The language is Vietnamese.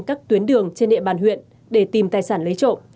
cường đã dùng đường trên địa bàn huyện để tìm tài sản lấy trộm